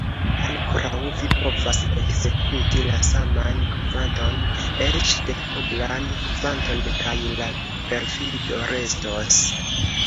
Ankoraŭ vi povas ekzekuti la saman kvanton, eĉ dekoblan kvanton, kaj la perfido restos.